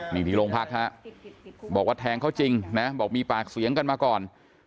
นี่ที่โรงพักฮะบอกว่าแทงเขาจริงนะบอกมีปากเสียงกันมาก่อน